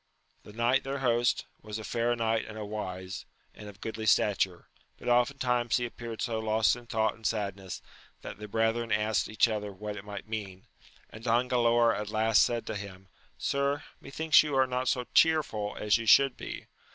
The knight their host, was a fair knight and a wise, and of goodly stature ; but oftentimes he appeared so lost in thought and sadness, that the brethren asked each other what it might mean, and Don Galaor at last said to him, Sir, methinks you are not so chearful as you should be